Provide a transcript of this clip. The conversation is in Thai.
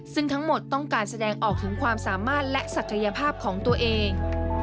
ซึ่งทั้งหมดต้องการแสดงออกถึงความสามารถและศักยภาพของตัวเอง